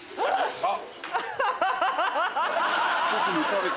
あっ！